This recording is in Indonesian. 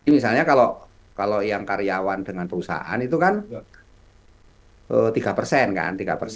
misalnya kalau yang karyawan dengan perusahaan itu kan tiga persen kan